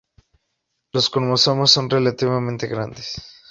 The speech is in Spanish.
Los cromosomas son relativamente grandes.